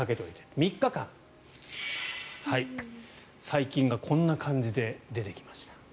細菌がこんな感じで出てきました。